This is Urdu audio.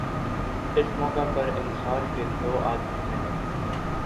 اس موقع پر انصار کے دو آدمی ملے